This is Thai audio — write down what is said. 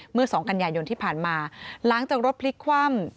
เมื่อ๒กันยายนที่ผ่านมาหลังจากรถพลิกคว่ำ